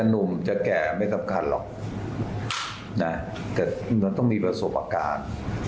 นะแต่มันต้องมีประสบอาการ